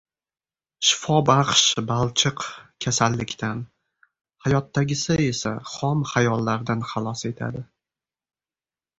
— Shifobaxsh balchiq kasallikdan, hayotdagisi esa xom xayollardan xalos etadi.